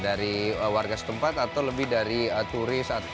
dari warga setempat atau lebih dari turis